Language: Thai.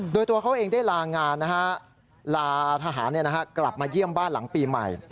โดยตัวเขาเองได้ลางานลาทหารกลับมาเยี่ยมบ้านหลังปีใหม่